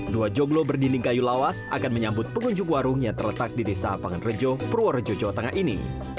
dua joglo berdinding kayu lawas akan menyambut pengunjung warung yang terletak di desa apangan rejo purworejo jawa tengah ini